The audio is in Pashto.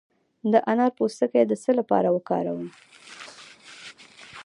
د انار پوستکی د څه لپاره وکاروم؟